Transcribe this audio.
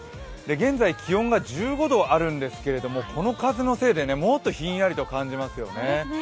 現在気温が１５度あるんですがこの北風のせいでもっとひんやりと感じますよね。